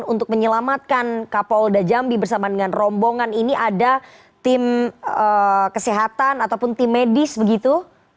untuk menyelamatkan kapolda jambi bersama dengan rombongan ini ada tim kesehatan ataupun tim medis begitu